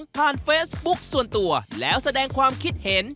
ผ่านเฟซบุ๊กส่วนตัวแล้วแสดงความคิดเห็น